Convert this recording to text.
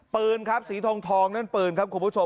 คือสีทงทองนั่นปืนคุณผู้ชม